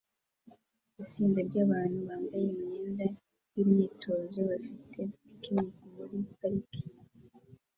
Itsinda ryabantu bambaye imyenda yimyitozo bafite picnic muri parike